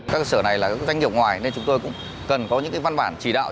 các cơ sở này là các doanh nghiệp ngoài nên chúng tôi cũng cần có những văn bản chỉ đạo